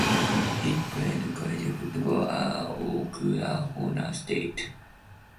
He played college football at Oklahoma State.